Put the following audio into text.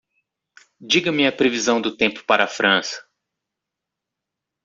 Diga-me a previsão do tempo para a França